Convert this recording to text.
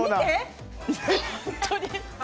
本当に。